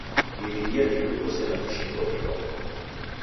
Iridia jiluko sena jishingo ilongo.